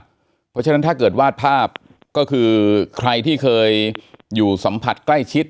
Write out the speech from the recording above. เพราะฉะนั้นถ้าเกิดวาดภาพก็คือใครที่เคยอยู่สัมผัสใกล้ชิด